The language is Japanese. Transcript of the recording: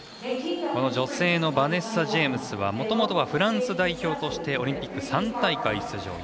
この女性のバネッサ・ジェイムスはもともとはフランス代表としてオリンピック３大会出場。